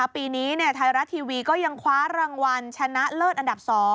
ปีนี้ไทยรัฐทีวีก็ยังคว้ารางวัลชนะเลิศอันดับ๒